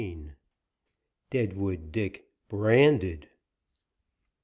DEADWOOD DICK BRANDED.